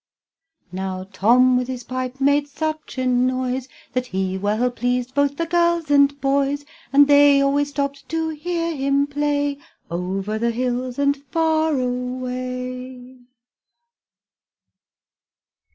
Now, Tom with his pipe made such a noise That he well pleased both the girls and boys, And they always stopped to hear him play "Over the hills and far away."